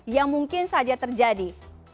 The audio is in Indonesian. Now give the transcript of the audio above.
yang mungkin saja terjadi